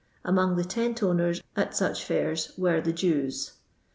Among the tentowners at such fiurs were the Jews.